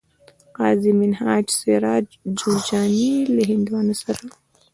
قاضي منهاج سراج جوزجاني له هندوانو سره